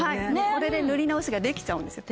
これで塗り直しができちゃうんですよ。